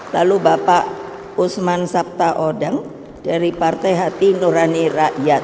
lalu bapak usman sabta odeng dari partai hati nurani rakyat